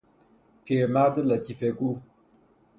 پیر مرد لطیفه گو